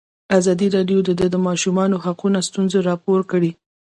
ازادي راډیو د د ماشومانو حقونه ستونزې راپور کړي.